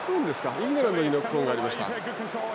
イングランドにノックオンがありました。